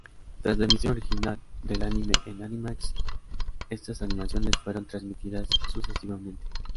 Tras la emisión original del anime en Animax, estas animaciones fueron transmitidas sucesivamente.